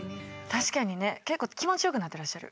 確かにね結構気持ちよくなってらっしゃる。